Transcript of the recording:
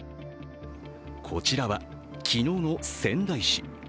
こちらは、昨日の仙台市。